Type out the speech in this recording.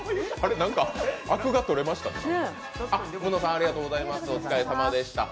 何かアクが取れましたね。